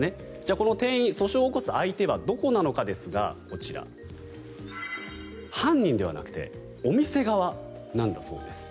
この店員、訴訟を起こす相手はどこなのかですが犯人ではなくてお店側なんだそうです。